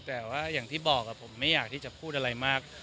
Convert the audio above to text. แต่ว่าอย่างที่บอกผมไม่อยากที่จะพูดอะไรมาก